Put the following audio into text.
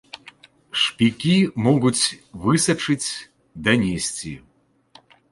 Шпікі могуць высачыць, данесці.